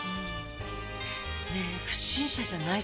ねえ不審者じゃないとしたら？